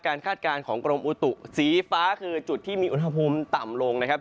คาดการณ์ของกรมอุตุสีฟ้าคือจุดที่มีอุณหภูมิต่ำลงนะครับ